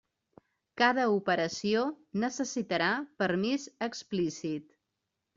Cada operació necessitarà permís explícit.